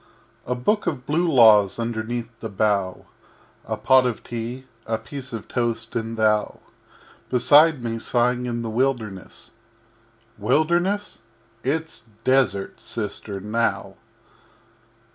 _] VI A Book of Blue Laws underneath the Bough, A pot of Tea, a piece of Toast, and Thou Beside me sighing in the Wilderness Wilderness? It's Desert, Sister, now.